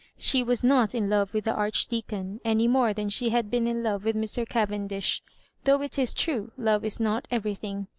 She was not in love with the Archdeacon, any more than she had been in love with Mr. Cavendish ;— though it is true love is not everything.